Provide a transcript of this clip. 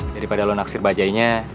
daripada lo naksir mbak jaya nya